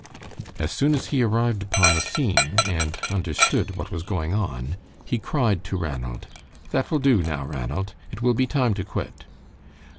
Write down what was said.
As soon as he arrived upon the scene, and understood what was going on, he cried to Ranald: "That will do now, Ranald; it will be time to quit."